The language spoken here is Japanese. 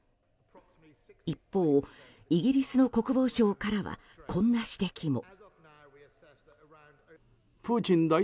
一方、イギリスの国防相からはこんな指摘も。